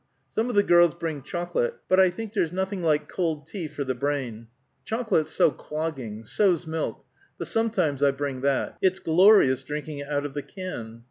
Some of the girls bring chocolate, but I think there's nothing like cold tea for the brain. Chocolate's so clogging; so's milk; but sometimes I bring that; it's glorious, drinking it out of the can."